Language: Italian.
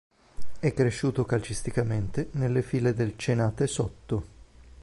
È cresciuto calcisticamente nelle file del Cenate Sotto.